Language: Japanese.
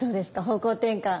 方向転換。